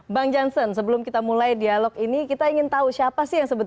bang jansen sebelum kita mulai dialog ini kita ingin tahu siapa sih yang sebetulnya